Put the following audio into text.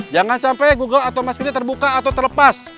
jangan sampai google atau maskernya terbuka atau terlepas